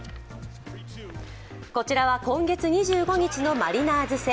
こちらは今月２５日のマリナーズ戦。